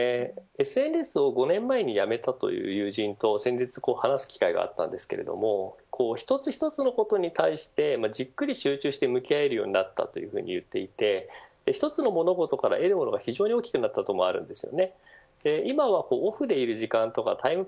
ＳＮＳを５年前にやめたという友人と先日、話す機会があったんですが一つ一つのことに対してじっくり集中して向き合えるようになったというふうに言っていて一つの物事から得るものが非常に大きくなったということも言います。